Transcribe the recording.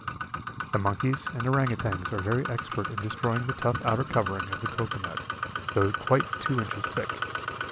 The monkeys and orang outangs are very expert in destroying the tough outer covering of the cocoa nut, though quite two inches thick.